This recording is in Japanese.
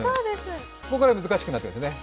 ここからは難しくなってきますね。